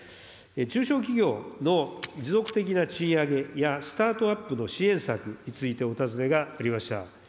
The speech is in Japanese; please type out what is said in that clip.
中小企業の持続的な賃上げやスタートアップの支援策についてお尋ねがありました。